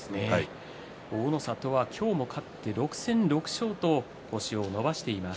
大の里は今日も勝って６戦６勝と星を伸ばしています。